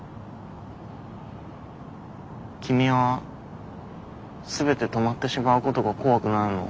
君は全て止まってしまうことが怖くないの？